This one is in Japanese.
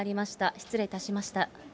失礼いたしました。